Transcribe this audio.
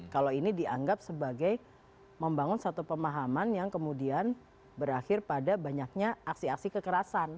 kalau ini dianggap sebagai membangun satu pemahaman yang kemudian berakhir pada banyaknya aksi aksi kekerasan